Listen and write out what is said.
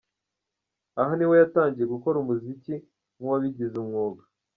Aha ni ho yatangiye gukora umuziki nk’uwabigize umwuga.